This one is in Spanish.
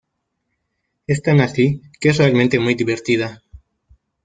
Es tan así que es realmente muy divertida".